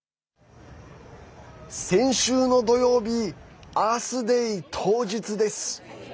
先週の土曜日アースデイ当日です。